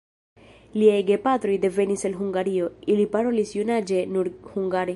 Liaj gepatroj devenis el Hungario, ili parolis junaĝe nur hungare.